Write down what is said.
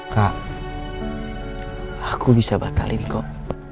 kak aku bisa batalin kok